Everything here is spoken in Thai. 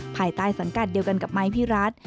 ภายใต้สังกัดเดียวกันกับไม้พี่รัฐ